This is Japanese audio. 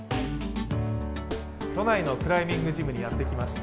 都内のクライミングジムにやって来ました。